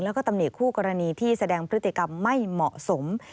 แล้วก็ตำหนิคู่กรณีที่แสดงพฤติกรรมไม่เหมาะสม